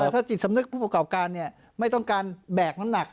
ถ้าจิตสำนึกผู้ประกอบการไม่ต้องการแบกน้ำหนัก